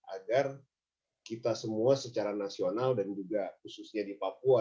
agar kita semua secara nasional dan juga khususnya di papua